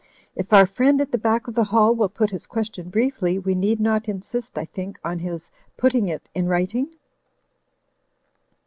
If our friend at the back of the hall will put his question briefly, we need not insist, I think, on his putting it in writing?"